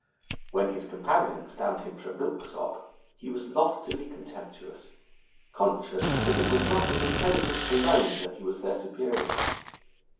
When his companions damned him for a milksop, he was loftily contemptuous, conscious that it was not in intelligence alone that he was their superior.